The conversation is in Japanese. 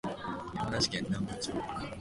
山梨県南部町